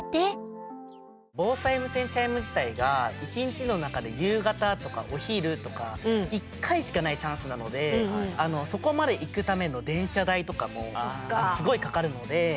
防災無線チャイム自体が１日の中で夕方とかお昼とか１回しかないチャンスなのでそこまで行くための電車代とかもすごいかかるので。